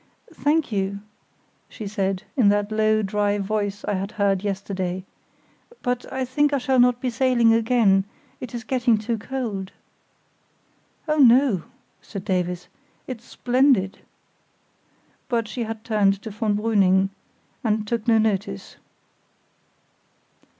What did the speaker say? "Thank you," she said, in that low dry voice I had heard yesterday; "but I think I shall not be sailing again—it is getting too cold." "Oh, no!" said Davies, "it's splendid." But she had turned to von Brüning, and took no notice.